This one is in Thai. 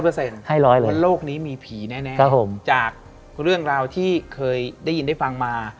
เปอร์เซ็นต์ให้ร้อยเลยวันโลกนี้มีผีแน่แน่ครับผมจากเรื่องราวที่เคยได้ยินได้ฟังมา